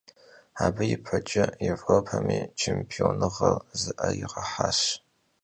Abı yipeç'e Yêvropem yi çêmpionığer zı'eriğehaş.